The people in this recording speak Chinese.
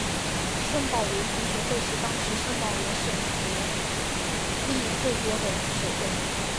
圣保罗足球会是当时圣保罗省得利最多的球会。